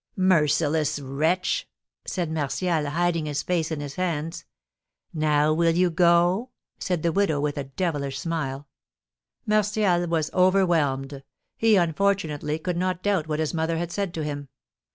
"Merciless wretch!" said Martial, hiding his face in his hands. "Now will you go?" said the widow, with a devilish smile. Martial was overwhelmed. He, unfortunately, could not doubt what his mother had said to him.